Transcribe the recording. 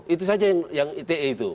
itu saja yang ite itu